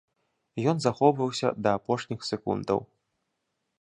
Ён захоўваўся да апошніх секундаў.